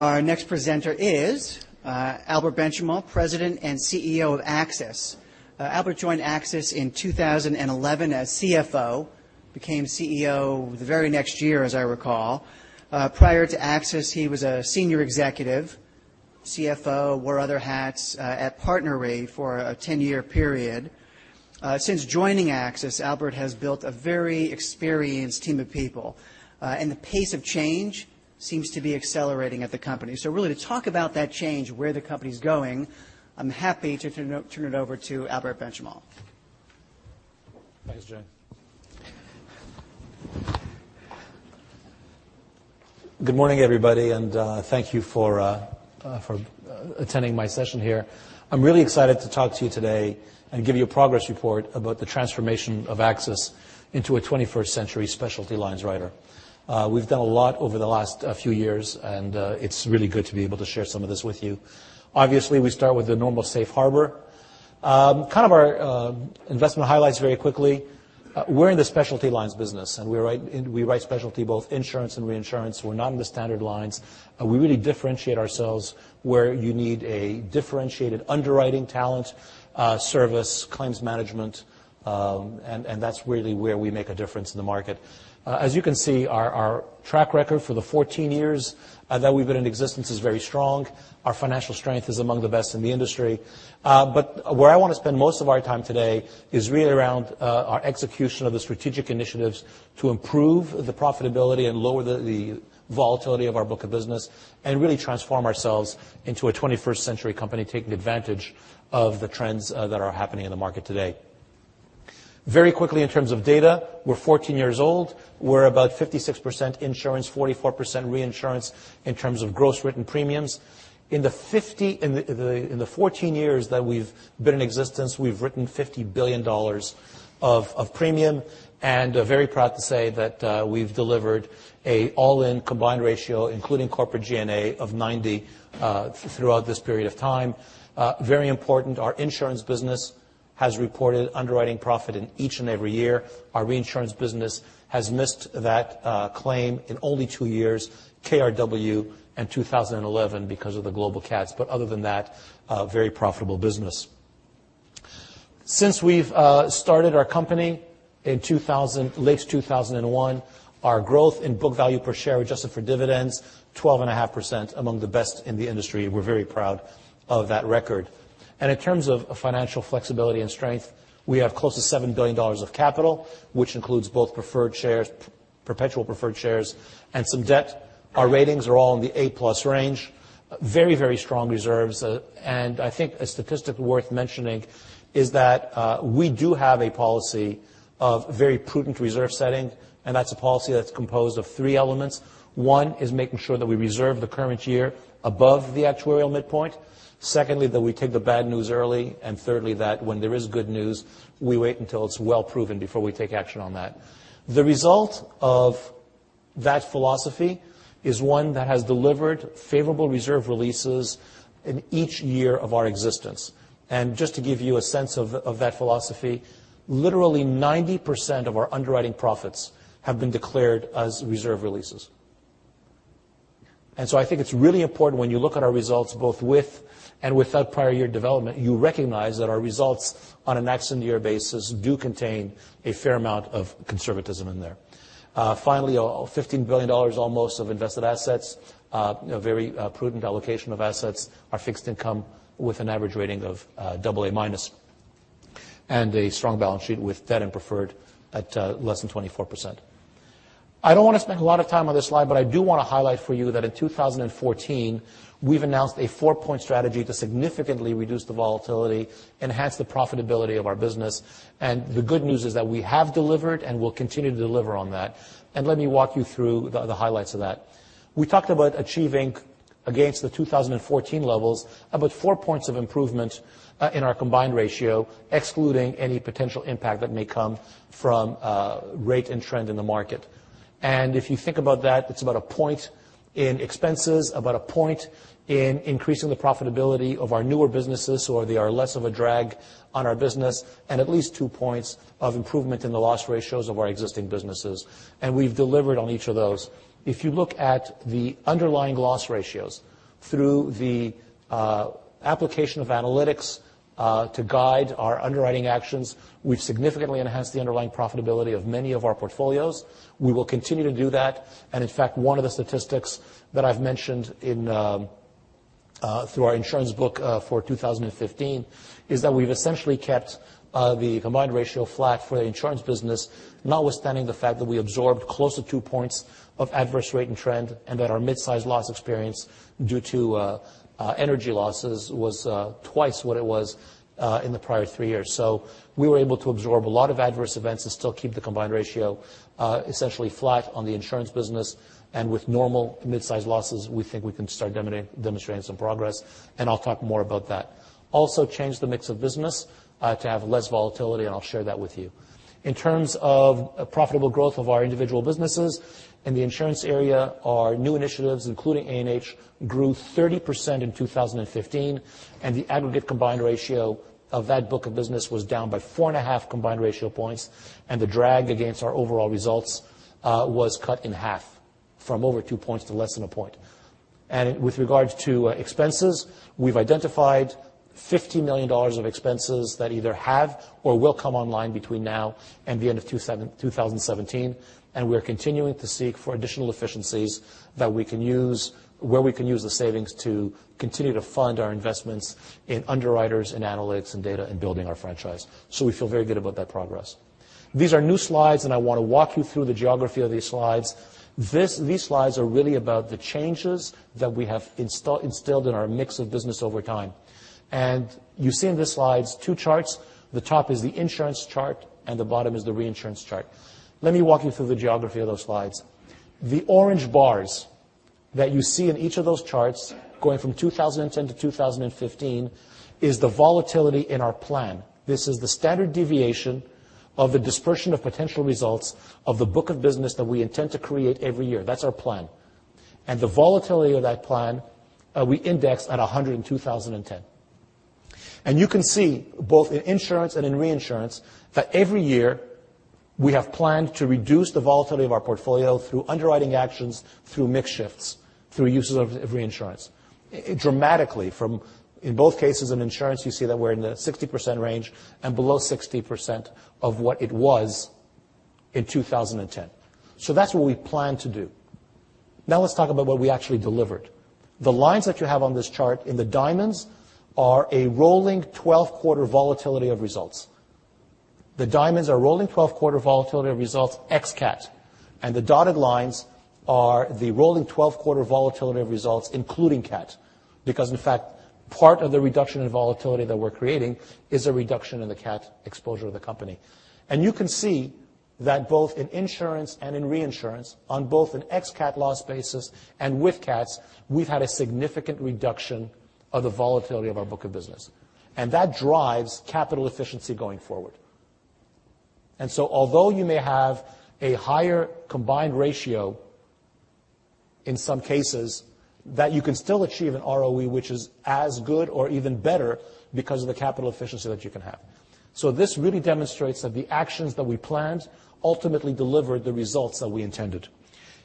Our next presenter is Albert Benchimol, President and CEO of AXIS. Albert joined AXIS in 2011 as CFO, became CEO the very next year, as I recall. Prior to AXIS, he was a senior executive CFO, wore other hats at PartnerRe for a 10-year period. Since joining AXIS, Albert has built a very experienced team of people, and the pace of change seems to be accelerating at the company. Really to talk about that change, where the company's going, I'm happy to turn it over to Albert Benchimol. Thanks, Jim. Good morning, everybody, and thank you for attending my session here. I'm really excited to talk to you today and give you a progress report about the transformation of AXIS into a 21st century specialty lines writer. We've done a lot over the last few years, and it's really good to be able to share some of this with you. Obviously, we start with the normal safe harbor. Kind of our investment highlights very quickly. We're in the specialty lines business, and we write specialty both insurance and reinsurance. We're not in the standard lines. We really differentiate ourselves where you need a differentiated underwriting talent, service, claims management, and that's really where we make a difference in the market. As you can see, our track record for the 14 years that we've been in existence is very strong. Our financial strength is among the best in the industry. Where I want to spend most of our time today is really around our execution of the strategic initiatives to improve the profitability and lower the volatility of our book of business and really transform ourselves into a 21st century company, taking advantage of the trends that are happening in the market today. Very quickly in terms of data, we're 14 years old. We're about 56% insurance, 44% reinsurance in terms of gross written premiums. In the 14 years that we've been in existence, we've written $50 billion of premium, and very proud to say that we've delivered an all-in combined ratio, including corporate G&A of 90 throughout this period of time. Very important, our insurance business has reported underwriting profit in each and every year. Our reinsurance business has missed that claim in only two years, KRW and 2011 because of the global cats, but other than that, a very profitable business. Since we've started our company in late 2001, our growth in book value per share adjusted for dividends 12.5% among the best in the industry. We're very proud of that record. In terms of financial flexibility and strength, we have close to $7 billion of capital, which includes both preferred shares, perpetual preferred shares, and some debt. Our ratings are all in the A+ range. Very, very strong reserves. I think a statistic worth mentioning is that we do have a policy of very prudent reserve setting, and that's a policy that's composed of three elements. One is making sure that we reserve the current year above the actuarial midpoint. Secondly, that we take the bad news early, thirdly, that when there is good news, we wait until it's well proven before we take action on that. The result of that philosophy is one that has delivered favorable reserve releases in each year of our existence. Just to give you a sense of that philosophy, literally 90% of our underwriting profits have been declared as reserve releases. I think it's really important when you look at our results both with and without prior year development, you recognize that our results on a max-in-year basis do contain a fair amount of conservatism in there. Finally, $15 billion almost of invested assets, a very prudent allocation of assets are fixed income with an average rating of AA- and a strong balance sheet with debt and preferred at less than 24%. I don't want to spend a lot of time on this slide, but I do want to highlight for you that in 2014, we've announced a four-point strategy to significantly reduce the volatility, enhance the profitability of our business, and the good news is that we have delivered and will continue to deliver on that. Let me walk you through the highlights of that. We talked about achieving against the 2014 levels about four points of improvement in our combined ratio, excluding any potential impact that may come from rate and trend in the market. If you think about that, it's about a point in expenses, about a point in increasing the profitability of our newer businesses so they are less of a drag on our business and at least two points of improvement in the loss ratios of our existing businesses. We've delivered on each of those. If you look at the underlying loss ratios through the application of analytics to guide our underwriting actions, we've significantly enhanced the underlying profitability of many of our portfolios. We will continue to do that. In fact, one of the statistics that I've mentioned through our insurance book for 2015 is that we've essentially kept the combined ratio flat for the insurance business, notwithstanding the fact that we absorbed close to two points of adverse rate and trend and that our midsize loss experience due to energy losses was twice what it was in the prior three years. We were able to absorb a lot of adverse events and still keep the combined ratio essentially flat on the insurance business. With normal midsize losses, we think we can start demonstrating some progress, and I'll talk more about that. Also change the mix of business to have less volatility, and I'll share that with you. In terms of profitable growth of our individual businesses in the insurance area, our new initiatives, including A&H, grew 30% in 2015, and the aggregate combined ratio of that book of business was down by four and a half combined ratio points, and the drag against our overall results was cut in half. From over two points to less than a point. With regards to expenses, we've identified $50 million of expenses that either have or will come online between now and the end of 2017, and we are continuing to seek for additional efficiencies where we can use the savings to continue to fund our investments in underwriters, in analytics and data, and building our franchise. We feel very good about that progress. These are new slides, I want to walk you through the geography of these slides. These slides are really about the changes that we have instilled in our mix of business over time. You see in the slides two charts. The top is the insurance chart, and the bottom is the reinsurance chart. Let me walk you through the geography of those slides. The orange bars that you see in each of those charts going from 2010 to 2015 is the volatility in our plan. This is the standard deviation of the dispersion of potential results of the book of business that we intend to create every year. That's our plan. The volatility of that plan, we indexed at 100 in 2010. You can see both in insurance and in reinsurance, that every year we have planned to reduce the volatility of our portfolio through underwriting actions, through mix shifts, through uses of reinsurance. Dramatically from, in both cases, in insurance, you see that we're in the 60% range and below 60% of what it was in 2010. That's what we plan to do. Let's talk about what we actually delivered. The lines that you have on this chart in the diamonds are a rolling 12-quarter volatility of results. The diamonds are rolling 12-quarter volatility of results ex-CAT, and the dotted lines are the rolling 12-quarter volatility of results, including CAT. In fact, part of the reduction in volatility that we're creating is a reduction in the CAT exposure of the company. You can see that both in insurance and in reinsurance on both an ex-CAT loss basis and with CATs, we've had a significant reduction of the volatility of our book of business, and that drives capital efficiency going forward. Although you may have a higher combined ratio in some cases, that you can still achieve an ROE, which is as good or even better because of the capital efficiency that you can have. This really demonstrates that the actions that we planned ultimately delivered the results that we intended.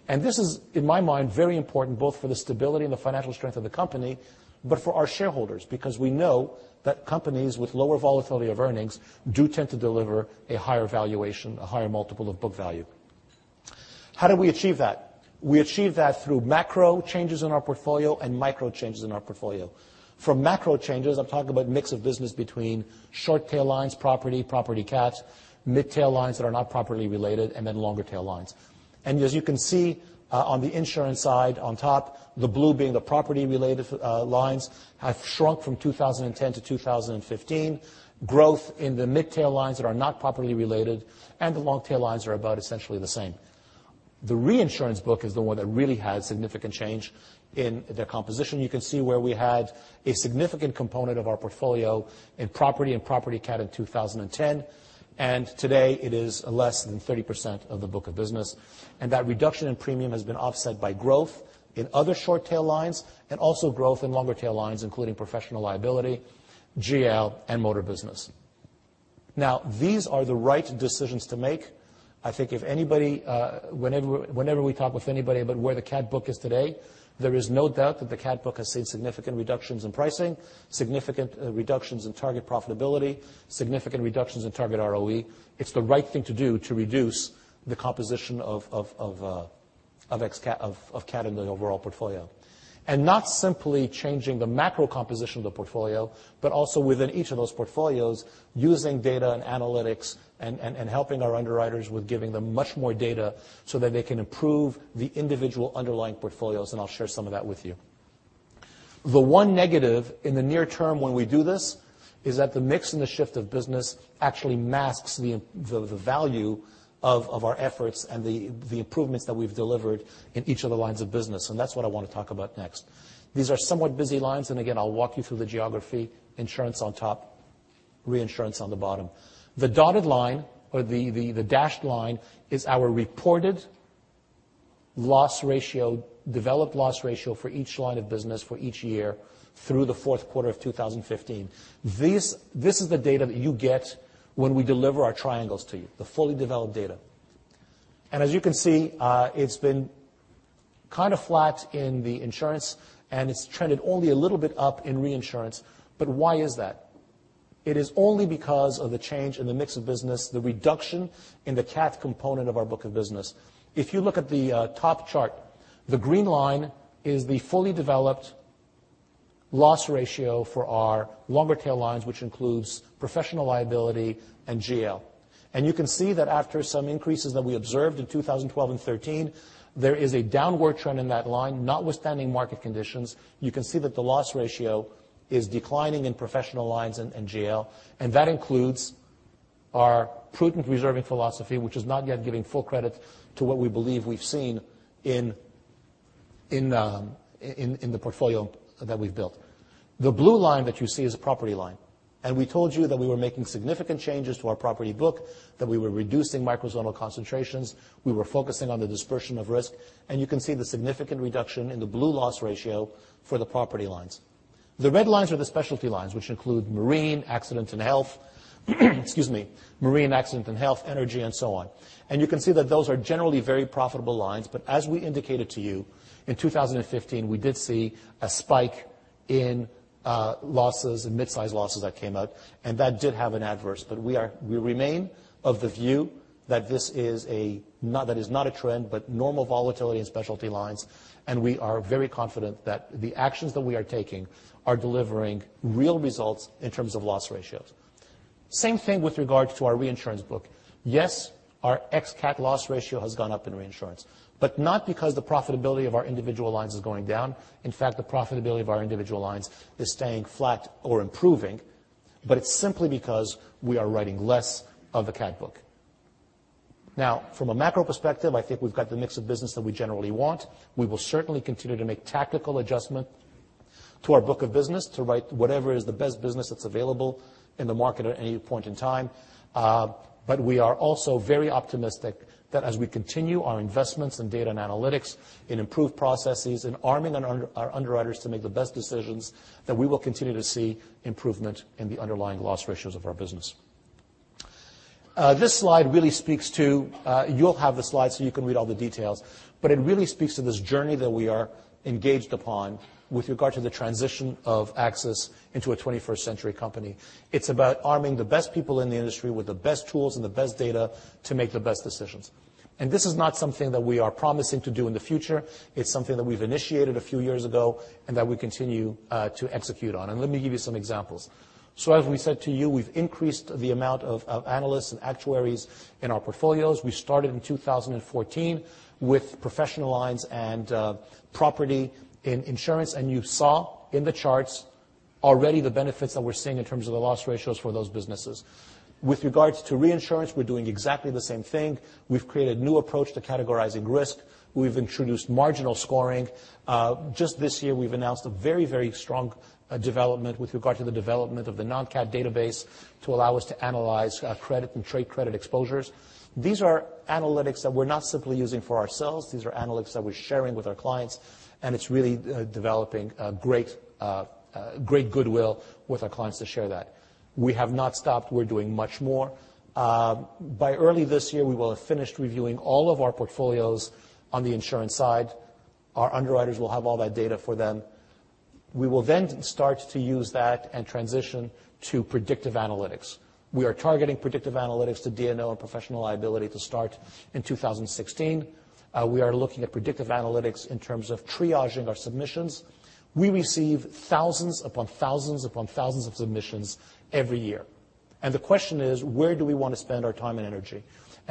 This is, in my mind, very important both for the stability and the financial strength of the company, but for our shareholders. We know that companies with lower volatility of earnings do tend to deliver a higher valuation, a higher multiple of book value. How do we achieve that? We achieve that through macro changes in our portfolio and micro changes in our portfolio. For macro changes, I'm talking about mix of business between short-tail lines, property CATs, mid-tail lines that are not property-related, and then longer tail lines. As you can see on the insurance side, on top, the blue being the property-related lines, have shrunk from 2010 to 2015. Growth in the mid-tail lines that are not property-related and the long tail lines are about essentially the same. The reinsurance book is the one that really had significant change in their composition. You can see where we had a significant component of our portfolio in property and property CAT in 2010, and today it is less than 30% of the book of business. That reduction in premium has been offset by growth in other short tail lines and also growth in longer tail lines, including professional liability, GL, and motor business. Now, these are the right decisions to make. I think if anybody, whenever we talk with anybody about where the CAT book is today, there is no doubt that the CAT book has seen significant reductions in pricing, significant reductions in target profitability, significant reductions in target ROE. It's the right thing to do to reduce the composition of CAT in the overall portfolio. Not simply changing the macro composition of the portfolio, but also within each of those portfolios, using data and analytics and helping our underwriters with giving them much more data so that they can improve the individual underlying portfolios. I'll share some of that with you. The one negative in the near term when we do this is that the mix and the shift of business actually masks the value of our efforts and the improvements that we've delivered in each of the lines of business. That's what I want to talk about next. These are somewhat busy lines, and again, I'll walk you through the geography. Insurance on top, reinsurance on the bottom. The dotted line, or the dashed line is our reported loss ratio, developed loss ratio for each line of business for each year through the fourth quarter of 2015. This is the data that you get when we deliver our triangles to you, the fully developed data. As you can see, it's been kind of flat in the insurance, and it's trended only a little bit up in reinsurance. Why is that? It is only because of the change in the mix of business, the reduction in the CAT component of our book of business. If you look at the top chart, the green line is the fully developed loss ratio for our longer tail lines, which includes professional liability and GL. You can see that after some increases that we observed in 2012 and 2013, there is a downward trend in that line, notwithstanding market conditions. You can see that the loss ratio is declining in professional lines and GL, that includes our prudent reserving philosophy, which is not yet giving full credit to what we believe we've seen in the portfolio that we've built. The blue line that you see is a property line, we told you that we were making significant changes to our property book, that we were reducing micro zonal concentrations, we were focusing on the dispersion of risk, you can see the significant reduction in the blue loss ratio for the property lines. The red lines are the specialty lines, which include marine, accident and health, energy, and so on. You can see that those are generally very profitable lines. As we indicated to you, in 2015, we did see a spike in losses and mid-size losses that came out, and that did have an adverse. We remain of the view that is not a trend, but normal volatility in specialty lines, and we are very confident that the actions that we are taking are delivering real results in terms of loss ratios. Same thing with regard to our reinsurance book. Our ex-CAT loss ratio has gone up in reinsurance, not because the profitability of our individual lines is going down. The profitability of our individual lines is staying flat or improving, it's simply because we are writing less of a CAT book. From a macro perspective, I think we've got the mix of business that we generally want. We will certainly continue to make tactical adjustment to our book of business to write whatever is the best business that's available in the market at any point in time. We are also very optimistic that as we continue our investments in data and analytics, in improved processes, in arming our underwriters to make the best decisions, that we will continue to see improvement in the underlying loss ratios of our business. This slide really speaks to, you'll have the slide so you can read all the details, but it really speaks to this journey that we are engaged upon with regard to the transition of AXIS into a 21st century company. It's about arming the best people in the industry with the best tools and the best data to make the best decisions. This is not something that we are promising to do in the future. It's something that we've initiated a few years ago and that we continue to execute on. Let me give you some examples. As we said to you, we've increased the amount of analysts and actuaries in our portfolios. We started in 2014 with professional lines and property in insurance, and you saw in the charts already the benefits that we're seeing in terms of the loss ratios for those businesses. With regards to reinsurance, we're doing exactly the same thing. We've created a new approach to categorizing risk. We've introduced marginal scoring. Just this year, we've announced a very strong development with regard to the development of the non-CAT database to allow us to analyze credit and trade credit exposures. These are analytics that we're not simply using for ourselves. These are analytics that we're sharing with our clients, and it's really developing great goodwill with our clients to share that. We have not stopped. We're doing much more. By early this year, we will have finished reviewing all of our portfolios on the insurance side. Our underwriters will have all that data for them. We will then start to use that and transition to predictive analytics. We are targeting predictive analytics to D&O and professional liability to start in 2016. We are looking at predictive analytics in terms of triaging our submissions. We receive thousands upon thousands upon thousands of submissions every year. The question is: where do we want to spend our time and energy?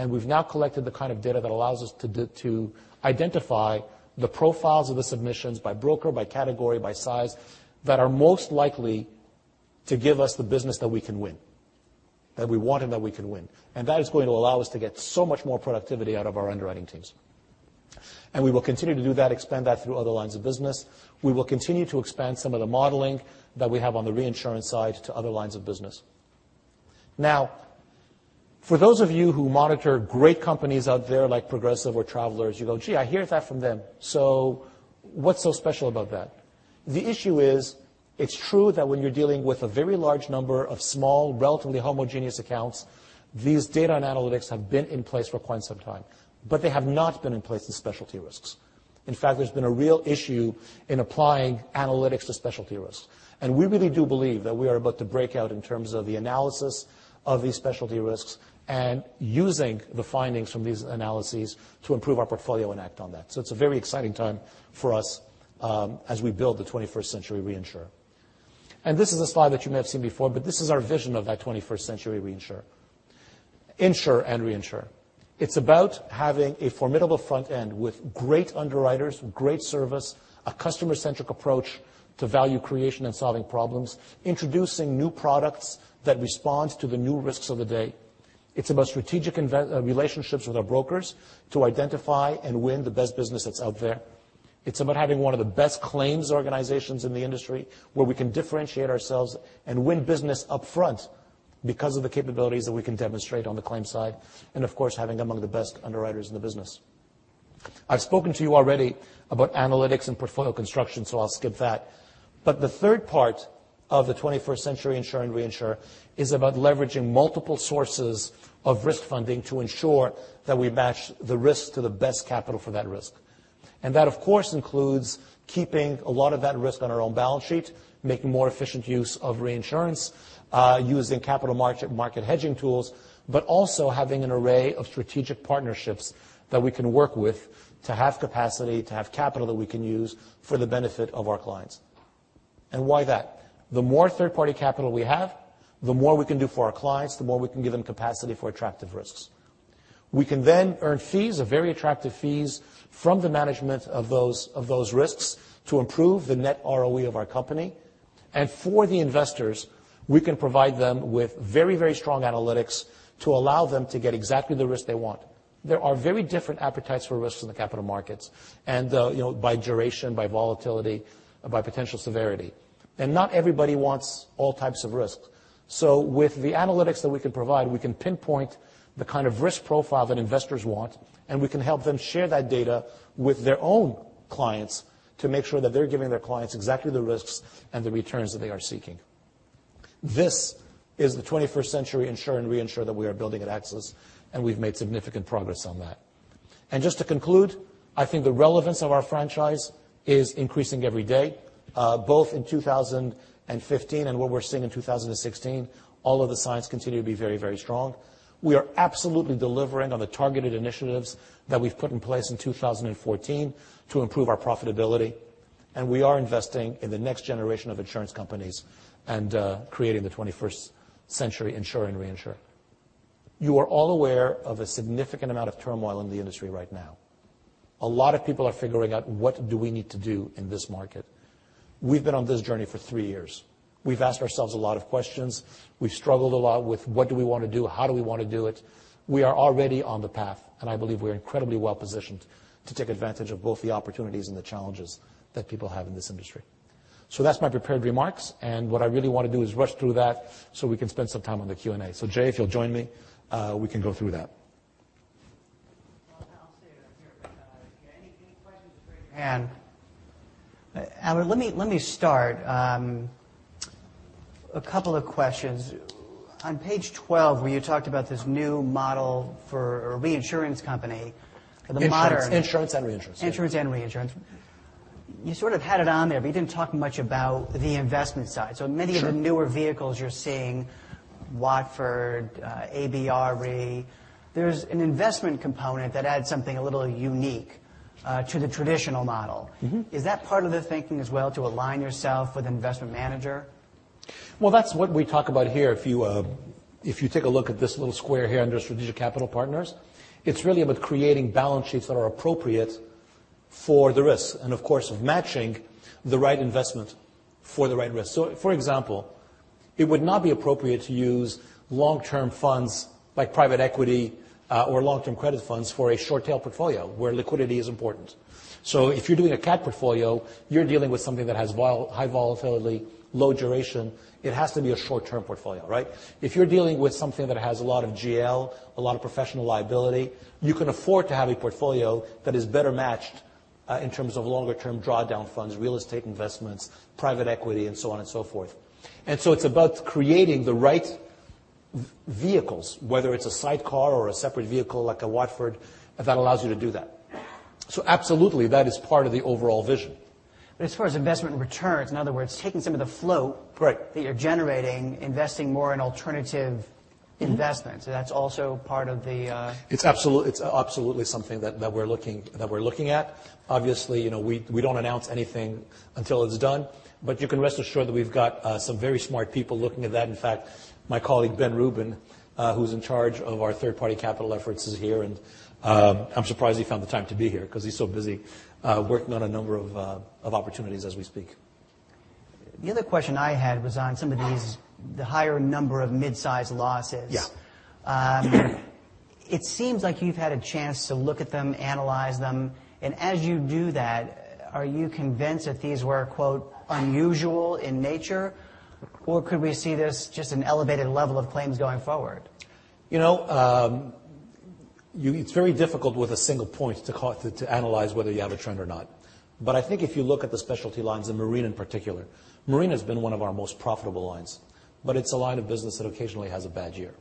We've now collected the kind of data that allows us to identify the profiles of the submissions by broker, by category, by size, that are most likely to give us the business that we can win, that we want and that we can win. That is going to allow us to get so much more productivity out of our underwriting teams. We will continue to do that, expand that through other lines of business. We will continue to expand some of the modeling that we have on the reinsurance side to other lines of business. For those of you who monitor great companies out there like Progressive or Travelers, you go, "Gee, I hear that from them." What's so special about that? The issue is, it's true that when you're dealing with a very large number of small, relatively homogeneous accounts, these data and analytics have been in place for quite some time. They have not been in place in specialty risks. In fact, there's been a real issue in applying analytics to specialty risks. We really do believe that we are about to break out in terms of the analysis of these specialty risks and using the findings from these analyses to improve our portfolio and act on that. It's a very exciting time for us as we build the 21st century reinsurer. This is a slide that you may have seen before, but this is our vision of that 21st century insurer and reinsurer. It's about having a formidable front end with great underwriters, great service, a customer-centric approach to value creation and solving problems, introducing new products that respond to the new risks of the day. It's about strategic relationships with our brokers to identify and win the best business that's out there. It's about having one of the best claims organizations in the industry, where we can differentiate ourselves and win business upfront because of the capabilities that we can demonstrate on the claims side. Of course, having among the best underwriters in the business. I've spoken to you already about analytics and portfolio construction, I'll skip that. The third part of the 21st century insurer and reinsurer is about leveraging multiple sources of risk funding to ensure that we match the risk to the best capital for that risk. That, of course, includes keeping a lot of that risk on our own balance sheet, making more efficient use of reinsurance, using capital market hedging tools, but also having an array of strategic partnerships that we can work with to have capacity, to have capital that we can use for the benefit of our clients. Why that? The more third-party capital we have, the more we can do for our clients, the more we can give them capacity for attractive risks. We can earn fees, very attractive fees, from the management of those risks to improve the net ROE of our company. For the investors, we can provide them with very strong analytics to allow them to get exactly the risk they want. There are very different appetites for risks in the capital markets, by duration, by volatility, by potential severity. Not everybody wants all types of risks. With the analytics that we can provide, we can pinpoint the kind of risk profile that investors want, and we can help them share that data with their own clients to make sure that they're giving their clients exactly the risks and the returns that they are seeking. This is the 21st century insurer and reinsurer that we are building at AXIS, we've made significant progress on that. Just to conclude, I think the relevance of our franchise is increasing every day, both in 2015 and what we're seeing in 2016, all of the signs continue to be very strong. We are absolutely delivering on the targeted initiatives that we've put in place in 2014 to improve our profitability, we are investing in the next generation of insurance companies and creating the 21st century insurer and reinsurer. You are all aware of a significant amount of turmoil in the industry right now. A lot of people are figuring out what do we need to do in this market. We've been on this journey for three years. We've asked ourselves a lot of questions. We've struggled a lot with what do we want to do, how do we want to do it. We are already on the path, I believe we're incredibly well-positioned to take advantage of both the opportunities and the challenges that people have in this industry. That's my prepared remarks, what I really want to do is rush through that so we can spend some time on the Q&A. Jay, if you'll join me, we can go through that. Well, I'll stay right here. Any questions for Albert? Albert, let me start. A couple of questions. On page 12, where you talked about this new model for a reinsurance company, for the modern- Insurance and reinsurance. Insurance and reinsurance. You sort of had it on there, but you didn't talk much about the investment side. Sure. Many of the newer vehicles you're seeing, Watford, ABR Re, there's an investment component that adds something a little unique to the traditional model. Is that part of the thinking as well, to align yourself with an investment manager? Well, that's what we talk about here if you take a look at this little square here under strategic capital partners. It's really about creating balance sheets that are appropriate for the risks and, of course, matching the right investment for the right risk. For example, it would not be appropriate to use long-term funds like private equity or long-term credit funds for a short-tail portfolio where liquidity is important. If you're doing a CAT portfolio, you're dealing with something that has high volatility, low duration. It has to be a short-term portfolio, right? If you're dealing with something that has a lot of GL, a lot of professional liability, you can afford to have a portfolio that is better matched in terms of longer-term drawdown funds, real estate investments, private equity, and so on and so forth. It's about creating the right vehicles, whether it's a sidecar or a separate vehicle like a Watford, that allows you to do that. Absolutely, that is part of the overall vision. As far as investment and returns, in other words, taking some of the flow- Right that you're generating, investing more in alternative investments, that's also part of the- It's absolutely something that we're looking at. Obviously, we don't announce anything until it's done. You can rest assured that we've got some very smart people looking at that. In fact, my colleague Ben Rubin, who's in charge of our third-party capital efforts, is here, and I'm surprised he found the time to be here because he's so busy working on a number of opportunities as we speak. The other question I had was on some of these, the higher number of mid-size losses. Yeah. It seems like you've had a chance to look at them, analyze them. As you do that, are you convinced that these were, quote, "unusual in nature," or could we see this just an elevated level of claims going forward? It's very difficult with a single point to analyze whether you have a trend or not. I think if you look at the specialty lines, and marine in particular, marine has been one of our most profitable lines. It's a line of business that occasionally has a bad year.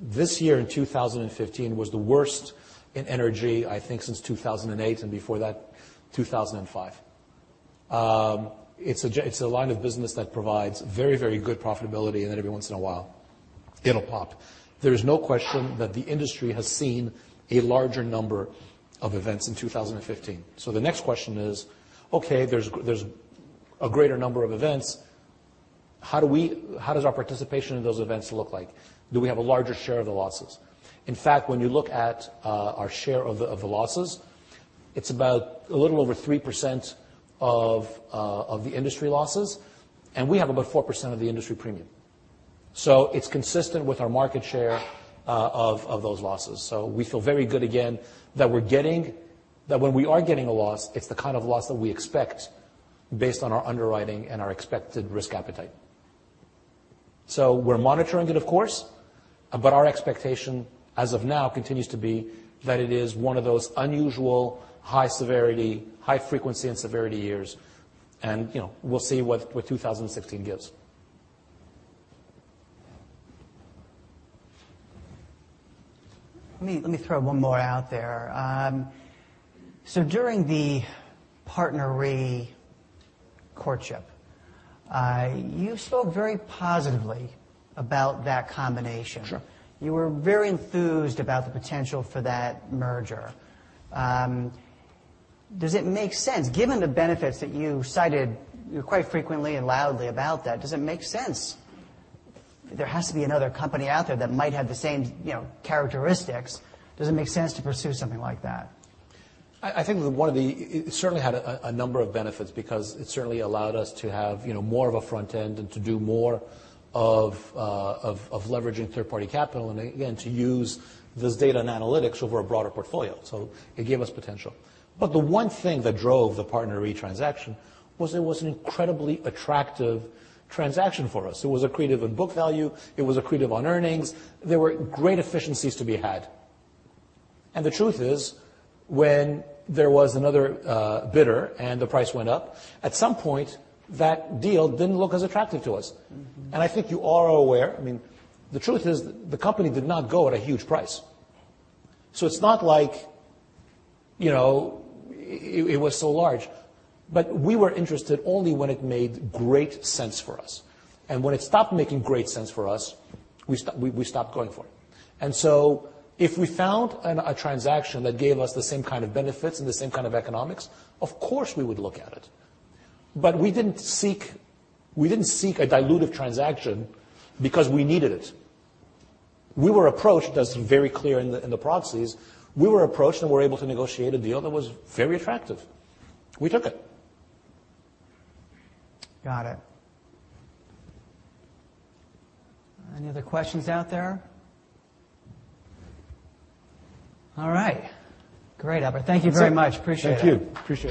This year in 2015 was the worst in energy, I think since 2008, and before that, 2005. Every once in a while it'll pop. There is no question that the industry has seen a larger number of events in 2015. The next question is, okay, there's a greater number of events. How does our participation in those events look like? Do we have a larger share of the losses? In fact, when you look at our share of the losses, it's about a little over 3% of the industry losses. We have about 4% of the industry premium. It's consistent with our market share of those losses. We feel very good again that when we are getting a loss, it's the kind of loss that we expect based on our underwriting and our expected risk appetite. We're monitoring it, of course, but our expectation as of now continues to be that it is one of those unusual high severity, high frequency and severity years, and we'll see what 2016 gives. Let me throw one more out there. During the PartnerRe courtship, you spoke very positively about that combination. Sure. You were very enthused about the potential for that merger. Does it make sense given the benefits that you cited quite frequently and loudly about that, does it make sense there has to be another company out there that might have the same characteristics? Does it make sense to pursue something like that? I think it certainly had a number of benefits because it certainly allowed us to have more of a front end and to do more of leveraging third-party capital and again, to use this data and analytics over a broader portfolio. It gave us potential. The one thing that drove the PartnerRe transaction was it was an incredibly attractive transaction for us. It was accretive in book value. It was accretive on earnings. There were great efficiencies to be had. The truth is, when there was another bidder and the price went up, at some point, that deal didn't look as attractive to us. I think you are aware, the truth is the company did not go at a huge price. It's not like it was so large, but we were interested only when it made great sense for us. When it stopped making great sense for us, we stopped going for it. If we found a transaction that gave us the same kind of benefits and the same kind of economics, of course, we would look at it. We didn't seek a dilutive transaction because we needed it. We were approached, as very clear in the proxies, we were approached and were able to negotiate a deal that was very attractive. We took it. Got it. Any other questions out there? All right. Great, Albert. Thank you very much. Appreciate it. Thank you. Appreciate it.